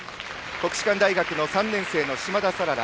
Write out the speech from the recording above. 国士舘大学の３年生の嶋田さらら。